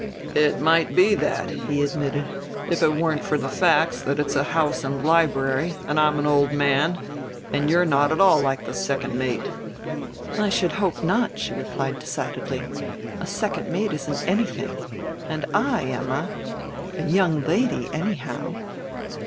"It might be that," he admitted; "if it weren't for the facts that it's a house and library, and I'm an old man, and you're not at all like the second mate." "I should hope not," she replied decidedly. "A second mate isn't anything, and I am a a young lady anyhow."